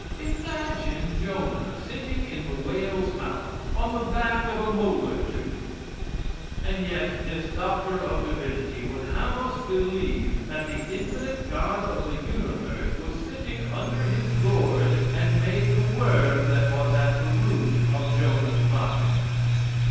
Imagine Jonah sitting in the whale's mouth, on the back of a molar tooth; and yet this doctor of divinity would have us believe that the infinite God of the universe was sitting under his gourd and made the worm that was at the root of Jonah's vine.